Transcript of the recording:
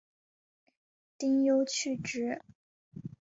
丁忧去职。